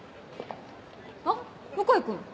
あっ向井君。